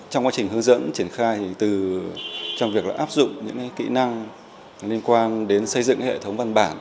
trong quá trình hướng dẫn triển khai trong việc áp dụng những kỹ năng liên quan đến xây dựng hệ thống văn bản